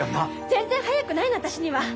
全然早くないの私には。